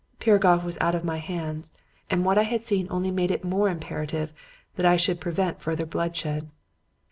Piragoff was out of my hands, and what I had seen only made it more imperative that I should prevent further bloodshed.